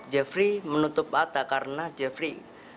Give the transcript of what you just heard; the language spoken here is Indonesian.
jeffrey menutup mata karena jeffrey